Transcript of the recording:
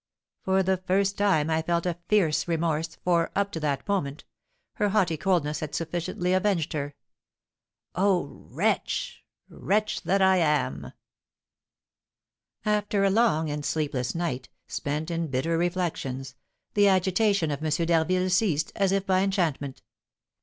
For the first time I felt a fierce remorse, for, up to that moment, her haughty coldness had sufficiently avenged her. Oh, wretch! wretch that I am!" After a long and sleepless night, spent in bitter reflections, the agitation of M. d'Harville ceased, as if by enchantment.